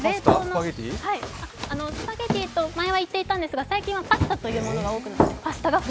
スパゲティと前は言っていたんですが、最近はパスタということが多くなっています。